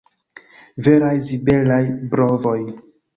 Veraj zibelaj brovoj!